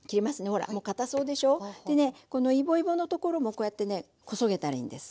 ほらもうかたそうでしょ？でねこのイボイボのところもこうやってねこそげたらいいんです。